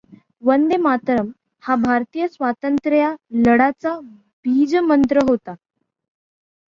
वंदे मातरम् हा भारतीय स्वातंत्र्य लढ्याचा बीजमंत्र होता.